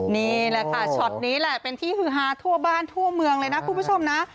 นี่แหละค่ะช็อตนี้แหละเป็นที่ฮือฮาทั่วบ้านทั่วเมืองเลยนะคุณผู้ชมนะ